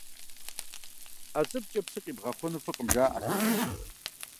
Ӏэ щӀыбкӀэ псы къибгъэхъуэну фӀыкъым, жаӀэрт.